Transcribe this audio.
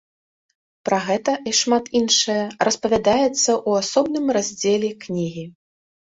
Пра гэта і шмат іншае распавядаецца ў асобным раздзеле кнігі.